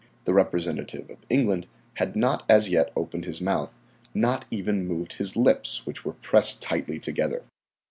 The representative of England had not as yet opened his mouth, not even moved his lips, which were pressed tightly together.